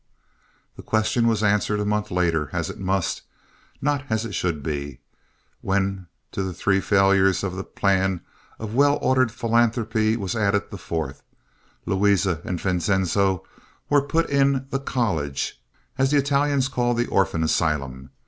The question was answered a month later as it must, not as it should be, when to the three failures of the plan of well ordered philanthropy was added the fourth: Louisa and Vincenzo were put in the "college," as the Italians call the orphan asylum.